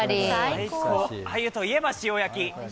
アユといえば塩焼き。